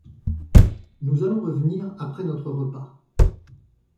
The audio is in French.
Nous allons revenir après notre repas.